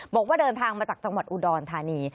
บอกว่าเดินทางมาจากจังหวัดอุดรธานี